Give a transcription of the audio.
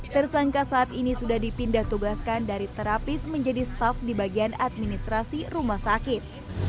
tersangka saat ini sudah dipindah tugaskan dari terapis menjadi staf di bagian administrasi rumah sakit